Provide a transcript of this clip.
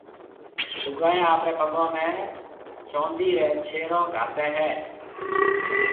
لوگائيَ آپريَ پگون ۾ چوندِي را ڇيرون گھاتيَ ھيَََ